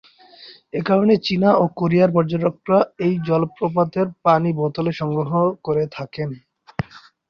একারণে চীনা ও কোরিয়ার পর্যটকরা এই জলপ্রপাতের পানি বোতলে সংগ্রহ করে থাকেন।